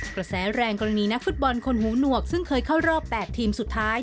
กระแสแรงกรณีนักฟุตบอลคนหูหนวกซึ่งเคยเข้ารอบ๘ทีมสุดท้าย